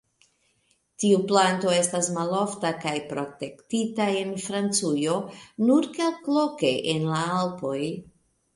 Tiu planto estas malofta kaj protektita en Francujo, nur kelkloke en la Alpoj.